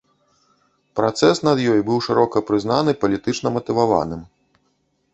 Працэс над ёй быў шырока прызнаны палітычна матываваным.